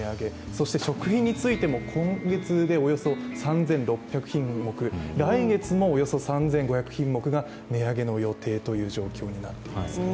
そして食品についても今月でおよそ３６００品目、来月もおよそ３５００品目が値上げの予定という状況になっていますね。